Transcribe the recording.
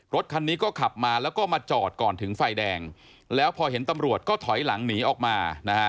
รถคันนี้ก็ขับมาแล้วก็มาจอดก่อนถึงไฟแดงแล้วพอเห็นตำรวจก็ถอยหลังหนีออกมานะฮะ